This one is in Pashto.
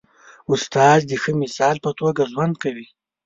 استاد د ښه مثال په توګه ژوند کوي.